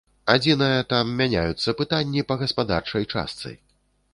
Адзінае, там мяняюцца пытанні па гаспадарчай частцы.